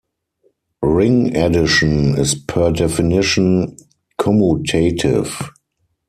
Ring addition is per definition commutative.